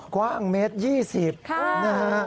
กว้างเมตร๒๐นะครับ